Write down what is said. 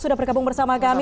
sudah berkabung bersama kami